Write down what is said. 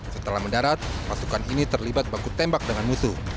setelah mendarat pasukan ini terlibat baku tembak dengan musuh